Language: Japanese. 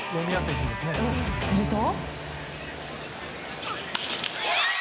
すると。